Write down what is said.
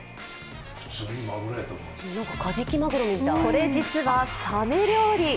これ、実はさめ料理。